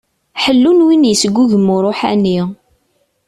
Ḥellu n win i yesgugem uṛuḥani.